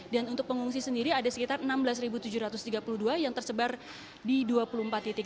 dan untuk pengungsi sendiri ada sekitar enam belas tujuh ratus tiga puluh dua yang tersebar di dua puluh empat titik